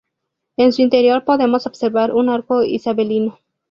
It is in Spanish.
En su interior podemos observar un arco isabelino.